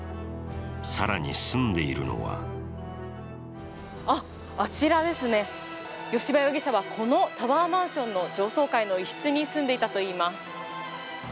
更に住んでいるのはあちらですね、吉羽容疑者はこのタワーマンションの上層階の一室に住んでいたといいます。